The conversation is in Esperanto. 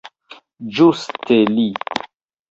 Ĝuste li!